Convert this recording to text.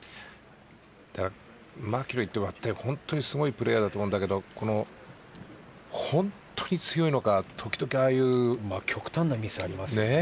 マキロイって本当にすごいプレーヤーだと思うんだけど本当に強いのか時々、ああいう極端なミスがありますよね。